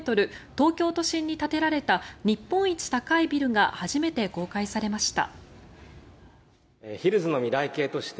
東京都心に建てられた日本一高いビルが初めて公開されました。